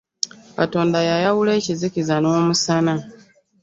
Katonda yayawula ekizikiza no musana.